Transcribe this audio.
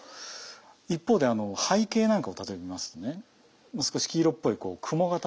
一方であの背景なんかを例えば見ますとね少し黄色っぽい雲形っていう。